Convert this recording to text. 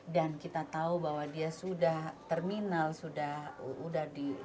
dan kita tahu bahwa dia sudah terminasi